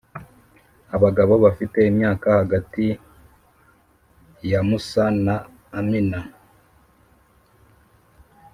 Abagabo bafite imyaka hagati yamusa na amina